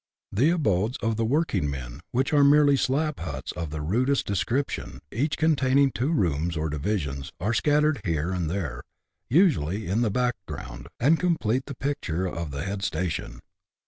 The abodes of the working men, which are merely slab huts of the rudest description, each containing tv/o rooms or divisions, are scattered here and there, usually in the back ground, and complete the picture of the head station.